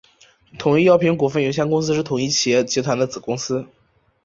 统一药品股份有限公司是统一企业集团的子公司。